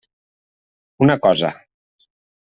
Una cosa.